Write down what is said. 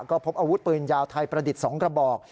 ก็พบอาวุธปืนยาวไทยประดิษฐ์๒กระบอก